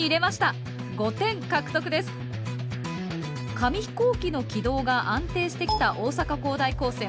紙ヒコーキの軌道が安定してきた大阪公大高専。